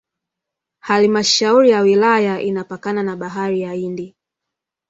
Halmashauri ya wilaya inapakana na Bahari ya Hindi